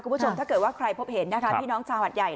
คุณผู้ชมถ้าเกิดว่าใครพบเห็นนะคะพี่น้องชาวหัดใหญ่